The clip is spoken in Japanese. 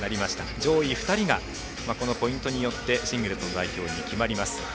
上位２人がこのポイントによってシングルスの代表に決まります。